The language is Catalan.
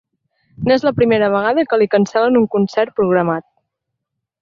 No és la primera vegada que li cancel·len un concert programat.